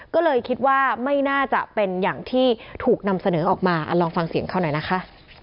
ก็เลยคิดว่าไม่น่าจะเป็นอย่างที่ถูกนำเสนอออกมาลองฟังเสียงเขาหน่อยนะคะ